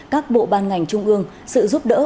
các bộ ban ngành trung ương sự giúp đỡ